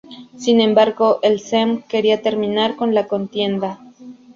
Sin embargo, el "Sejm" quería terminar con la contienda.